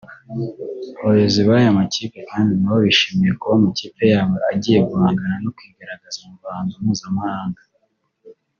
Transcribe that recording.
Abayobozi b’aya makipe kandi nabo bishimiye kuba amakipe yabo agiye guhangana no kwigaragaza mu ruhando mpuzamahanga